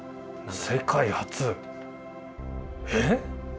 世界初え？